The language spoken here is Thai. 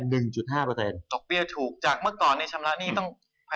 ดอกเบี้ยถูกจากเมื่อก่อนในชำระนี่ต้องแพนกี่ปี